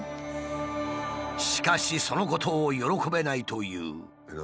しかしそのことを喜べないという。